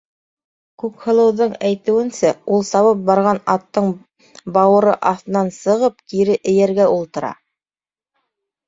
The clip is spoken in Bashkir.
Күкһылыуҙың әйтеүенсә, ул сабып барған аттың бауыры аҫтынан сығып, кире эйәргә ултыра.